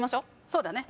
そうだね。